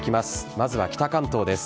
まずは北関東です。